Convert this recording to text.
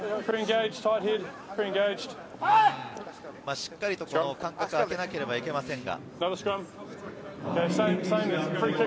しっかりと間隔を空けなければいけませんが。